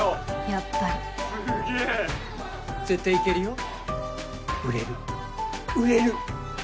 やっぱりすげえ絶対いけるよ売れる売れる！